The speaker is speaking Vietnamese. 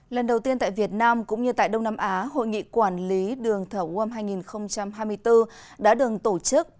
lần đầu tiên tại việt nam cũng như tại đông nam á hội nghị quản lý đường thở uom hai nghìn hai mươi bốn đã được tổ chức